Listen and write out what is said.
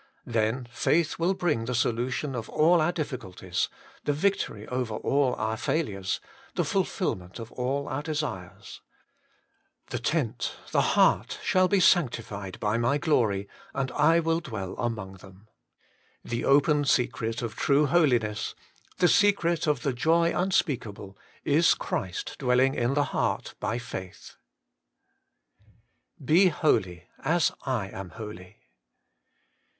Then faith will bring the solution of all our difficulties, the victory over all our failures, the fulfilment of all our desires :' The tent, the heart, shall be sanctified by my glory ; and I will dwell among them.' The open secret of true holiness, the secret of the joy unspeakable, is Christ dwelling in the heart by faith. BE HOLY, AS I AM HOLY.